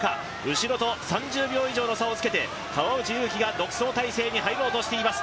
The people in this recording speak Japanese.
後ろと３０秒以上の差をつけて川内優輝が独走態勢に入ろうとしています